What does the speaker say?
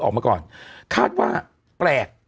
มีการเรียกสอสภักพระรังประชารัฐทั้งหมดประชุมด่วน